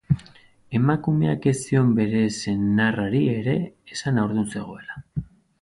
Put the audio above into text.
Emakumeak ez zion bere senarrari ere esan haurdun zegoela.